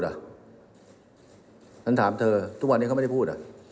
ฉันถามเธอทุกวันนี้เขาไม่ได้พูด